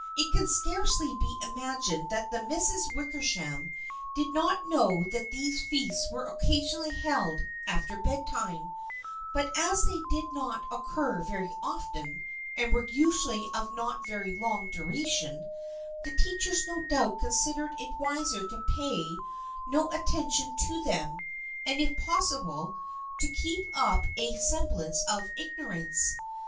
It can scarcely be imagined that the Misses Wickersham did not know that these feasts were occasionally held after bedtime, but as they did not occur very often, and were usually of not very long duration, the teachers no doubt considered it wiser to pay no attention to them, and if possible to keep up a semblance of ignorance.